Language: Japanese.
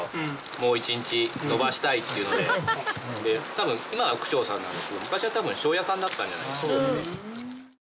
多分今は区長さんなんですけど昔は多分庄屋さんだったんじゃないですかね。